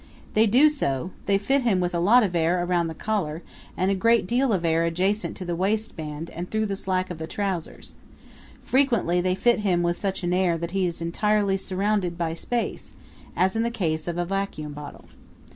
They do so; they fit him with a lot of air around the collar and a great deal of air adjacent to the waistband and through the slack of the trousers; frequently they fit him with such an air that he is entirely surrounded by space, as in the case of a vacuum bottle.